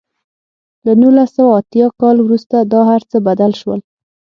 له نولس سوه اتیا کال وروسته دا هر څه بدل شول.